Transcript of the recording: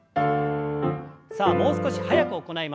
さあもう少し早く行います。